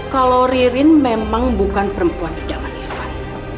kalau ririn memang bukan perempuan di jalan irfan